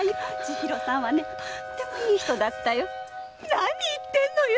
何言ってんのよ！